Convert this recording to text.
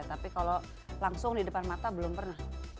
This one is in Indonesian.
tapi kalau langsung di depan mata belum pernah